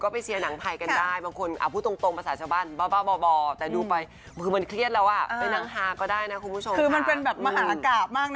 ไปหนังหาก็ได้นะคุณผู้ชมคือมันเป็นมหากาบมาก